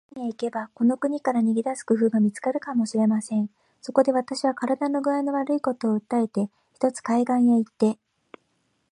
海へ行けば、この国から逃げ出す工夫が見つかるかもしれません。そこで、私は身体工合の悪いことを訴えて、ひとつ海岸へ行って